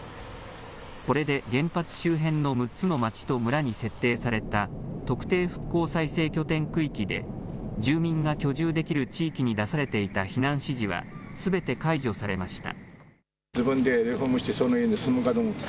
これで原発周辺の６つの町と村に設定された特定復興再生拠点区域で住民が居住できる地域に出されていた避難指示はすべて解除されました。